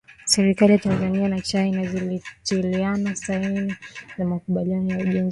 Serikali ya Tanzania na china zilitiliana saini za makubaliano ya ujenzi wa reli